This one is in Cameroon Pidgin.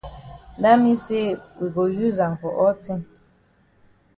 Dat mean say we go use am for all tin.